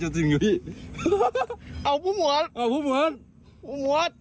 เจอตัวจริงหรือพี่เอ้าผู้หมวดเอ้าผู้หมวดผู้หมวด